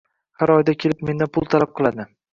Har oyda kelib mendan pul talab qiladi